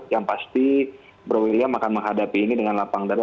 yang pasti bro william akan menghadapi ini dengan lapang darat